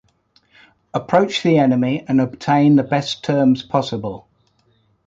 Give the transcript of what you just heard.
Approach the enemy and obtain the best terms possible.